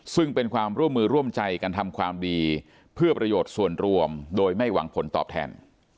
ซึ่งเป็นความร่วมมือร่วมใจกันทำความดีเพื่อประโยชน์ส่วนรวมโดยไม่หวังผลตอบแทน